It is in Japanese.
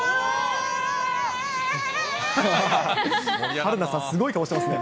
春菜さん、すごい顔してますね。